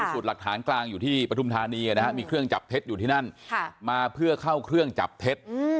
สูตรหลักฐานกลางอยู่ที่ปฐุมธานีมีเครื่องจับเท็จอยู่ที่นั่นมาเพื่อเข้าเครื่องจับเท็จ